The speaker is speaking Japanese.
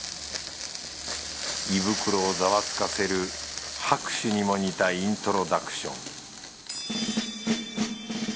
胃袋をザワつかせる拍手にも似たイントロダクション